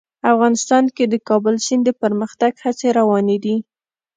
افغانستان کې د کابل سیند د پرمختګ هڅې روانې دي.